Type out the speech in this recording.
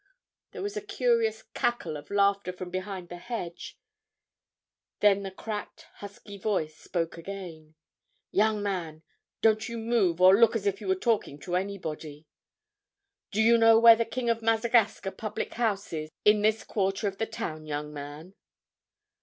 There was a curious cackle of laughter from behind the hedge; then the cracked, husky voice spoke again. "Young man, don't you move or look as if you were talking to anybody. Do you know where the 'King of Madagascar' public house is in this quarter of the town, young man?"